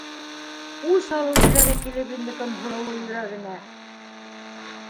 Үс алыу теләге килеп инде Көнһылыуы йөрәгенә.